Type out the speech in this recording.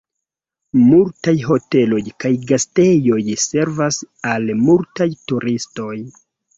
Multaj hoteloj kaj gastejoj servas al multaj turistoj.